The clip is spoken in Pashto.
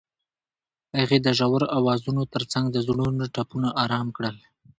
هغې د ژور اوازونو ترڅنګ د زړونو ټپونه آرام کړل.